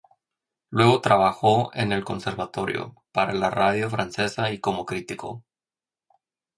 Luego trabajó en el conservatorio, para la radio francesa y como crítico.